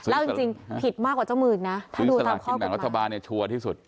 แล้วจริงจริงผิดมากกว่าเจ้ามืดนะถ้าดูตามข้อบกฎหมายวัฒนฐาบาลเนี้ยชัวร์ที่สุด